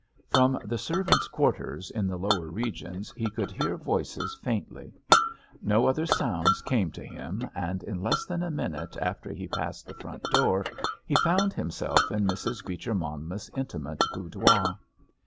From the servants' quarters in the lower regions he could hear voices faintly. No other sounds came to him, and in less than a minute after he passed the front door he found himself in Mrs. Beecher Monmouth's intimate boudoir.